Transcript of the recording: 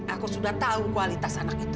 aku sudah tahu kualitas anak itu